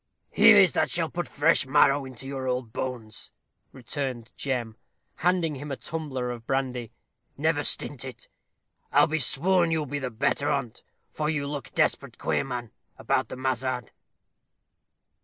"Here is that shall put fresh marrow into your old bones," returned Jem, handing him a tumbler of brandy; "never stint it. I'll be sworn you'll be the better on't, for you look desperate queer, man, about the mazard."